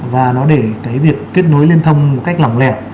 và nó để cái việc kết nối liên thông một cách lỏng lẻ